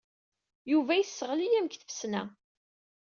Yuba yesseɣli-am deg tfesna.